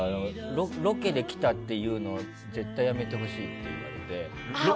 ロケで来たっていうのは絶対にやめてほしいって言われて。